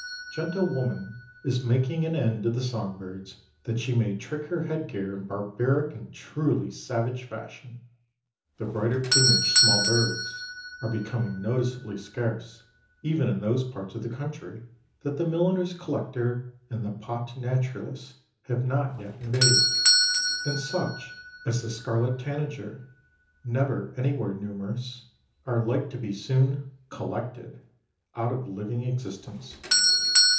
Gentle woman is making an end of the song birds that she may trick her headgear in barbaric and truly savage fashion. The brighter plumaged small birds are becoming noticeably scarce even in those parts of the country that the milliners' collector and the pot naturalist have not yet invaded, and such as the scarlet tanager, never anywhere numerous, are like to be soon "collected" out of living existence.